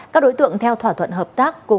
các đối tượng theo thỏa thuận hợp tác